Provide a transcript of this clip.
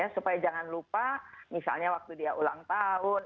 supaya jangan lupa misalnya waktu dia ulang tahun